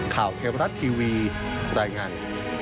ข่าวเทวรัตน์ทีวีรายงาน